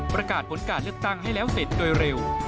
ประกาศผลการเลือกตั้งให้แล้วเสร็จโดยเร็ว